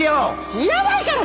知らないから！